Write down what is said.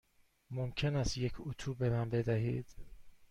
ممکن است یک اتو به من بدهید؟